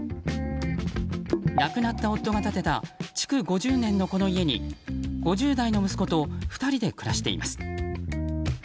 亡くなった夫が建てた築５０年の、この家に５０代の息子と２人で暮らしています。